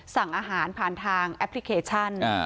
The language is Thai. สั่งอาหารผ่านทางแอปพลิเคชัน